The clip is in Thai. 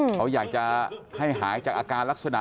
เขาอยากจะให้หายจากอาการลักษณะ